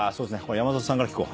山里さんから聞こう。